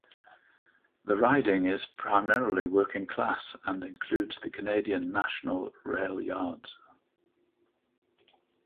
The riding is primarily working-class, and includes the Canadian National rail yards.